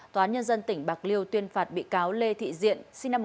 tòa nhân dân tỉnh bạc liêu tuyên phạt bị cáo lê thị diện